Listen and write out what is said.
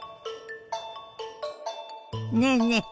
ねえねえ